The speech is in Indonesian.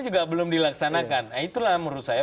juga belum dilaksanakan nah itulah menurut saya